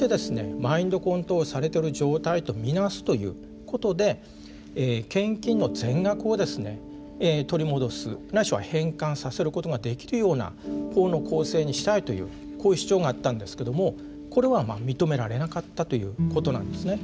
マインドコントロールされてる状態と見なすということで献金の全額をですね取り戻すないしは返還させることができるような法の構成にしたいというこういう主張があったんですけどもこれはまあ認められなかったということなんですね。